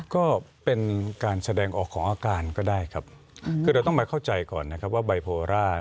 ก็เป็นการแสดงออกของอาการก็ได้ครับคือเราต้องมาเข้าใจก่อนนะครับว่าไบโพล่า